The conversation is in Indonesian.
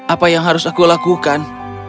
apa yang harus aku lakukan